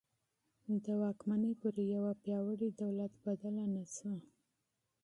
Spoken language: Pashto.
د واکمني پر یوه پیاوړي دولت بدله نه شوه.